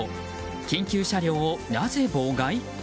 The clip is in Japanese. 緊急車両をなぜ妨害？